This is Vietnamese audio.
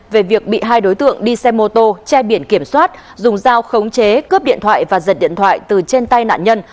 về việc bị hai đối tượng đi xe mô tô che biển kiểm soát dùng dao khống chế cướp điện thoại và giật điện thoại từ trên tay nạn nhân